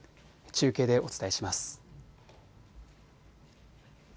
中継でお伝えします。